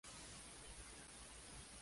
Más que práctico es un sombrero decorativo.